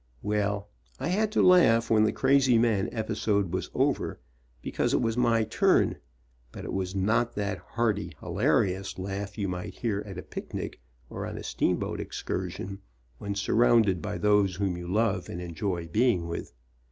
Well, I had to laugh when the crazy man episode was over because it was my turn, but it was not that hearty, hilarious laugh you might hear at a picnic or on a steamboat excursion, when surrounded by those whom you love and enjoy be ing with.